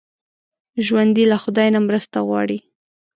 ژوندي له خدای نه مرسته غواړي